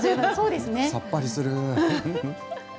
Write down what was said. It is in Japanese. さっぱりする。